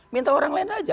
minta orang lain aja